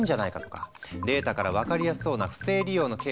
データから分かりやすそうな不正利用のケースを考える。